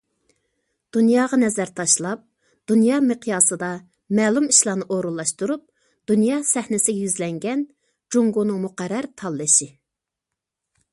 دۇنياغا نەزەر تاشلاپ، دۇنيا مىقياسىدا مەلۇم ئىشلارنى ئورۇنلاشتۇرۇپ، دۇنيا سەھنىسىگە يۈزلەنگەن جۇڭگونىڭ مۇقەررەر تاللىشى.